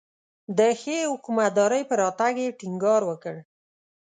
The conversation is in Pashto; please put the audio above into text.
د ښې حکومتدارۍ پر راتګ یې ټینګار وکړ.